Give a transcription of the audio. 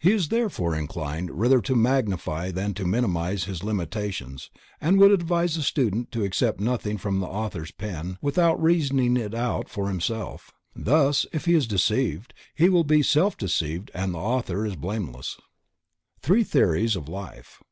He is therefore inclined rather to magnify than to minimize his limitations and would advise the student to accept nothing from the author's pen without reasoning it out for himself. Thus, if he is deceived, he will be self deceived and the author is blameless. _Three Theories of Life.